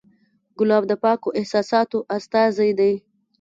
ګلاب د پاکو احساساتو استازی دی.